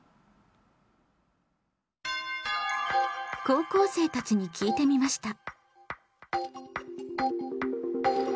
高校生たちに聞いてみました。